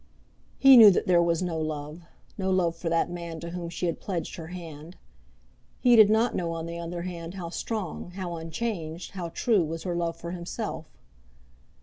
He knew that there was no love, no love for that man to whom she had pledged her hand. He did not know, on the other hand, how strong, how unchanged, how true was her love for himself.